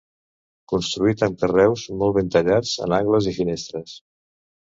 Construït amb carreus molt ben tallats en angles i finestres.